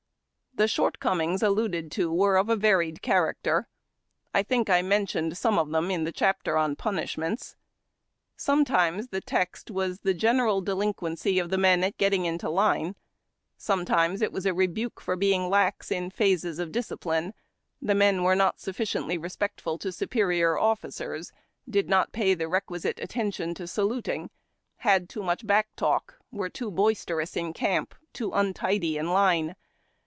' The shortcomino s alluded to were of a varied character. I think I mentioned some of them in the chapter on punish ments. Sometimes tlie text was the general delinquency of the men in getting into line ; sometimes it was a rebuke for being lax in phases of discipline ; the men were not suffi ciently respectful to superior officers, did not pay the requi site attention to saluting, had too much hack talk, were too boisterous in camp, too untidij in line.